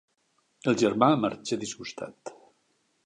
El germà marxa disgustat.